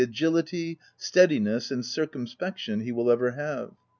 51 agility, steadiness, and circumspection he will ever have.